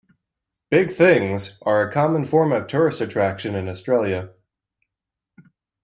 Big Things are a common form of tourist attraction in Australia.